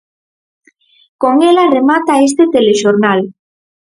Con ela remata este Telexornal.